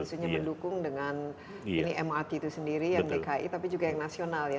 dan biasanya mendukung dengan ini mrt itu sendiri yang dki tapi juga yang nasional ya